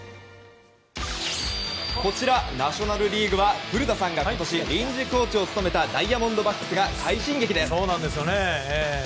こちら、ナショナル・リーグは古田さんが今年、臨時コーチを務めたダイヤモンドバックスが快進撃です！